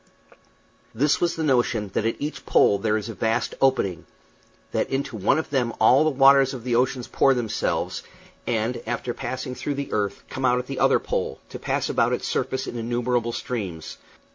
This was the notion that at each pole there is a vast opening; that into one of them all the waters of the ocean pour themselves, and, after passing through the earth, come out at the other pole, to pass about its surface in innumerable streams.